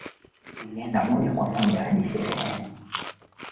na licha ya yeye kuwa India anaumwa aliporejea nchini hata kabla hajaripoti kazini kwake